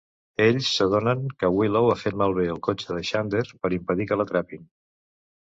Ells s'adonen que Willow ha fet malbé el cotxe de Xander per impedir que l'atrapin.